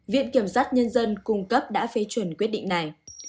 viện kiểm sát nhân dân cung cấp đã phê chuẩn quyết định này